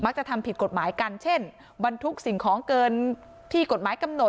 จะทำผิดกฎหมายกันเช่นบรรทุกสิ่งของเกินที่กฎหมายกำหนด